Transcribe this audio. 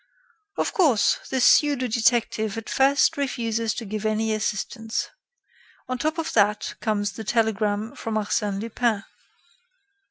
"Of course, the pseudo detective at first refuses to give any assistance. On top of that comes the telegram from Arsène Lupin.